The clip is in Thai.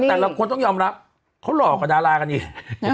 แล้วแต่ละคนต้องยอมรับเขาหล่อกับดารากันเนี่ย